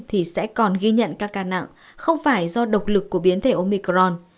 thì sẽ còn ghi nhận các ca nặng không phải do độc lực của biến thể omicron